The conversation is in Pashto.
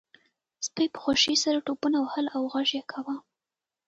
سپي په خوښۍ سره ټوپونه وهل او غږ یې کاوه